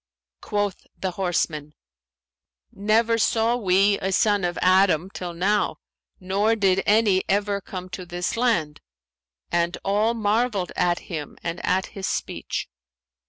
Quoth the horseman, 'Never saw we a son of Adam till now, nor did any ever come to this land.' And all marvelled at him and at his speech.